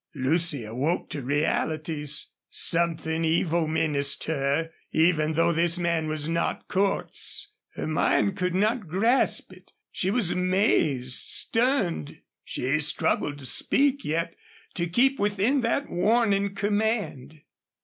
Lucy awoke to realities. Something evil menaced her, even though this man was not Cordts. Her mind could not grasp it. She was amazed stunned. She struggled to speak, yet to keep within that warning command.